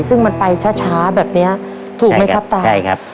ซึ่งมันไปช้าช้าแบบเนี้ยถูกไหมครับตาใช่ครับ